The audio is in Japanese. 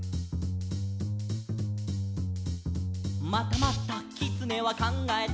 「またまたきつねはかんがえた」